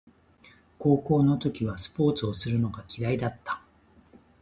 高校生の時はスポーツをするのが嫌いだった